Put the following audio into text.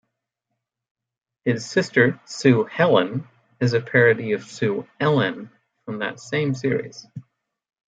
His sister, Sue Helen, is a parody of Sue Ellen, from that same series.